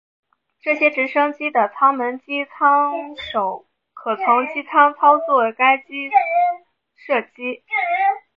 这些直升机的舱门机枪手可从机舱操作该机枪射击。